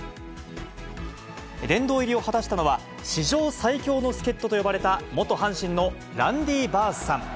殿堂入りを果たしたのは、史上最強の助っ人と呼ばれた元阪神のランディ・バースさん。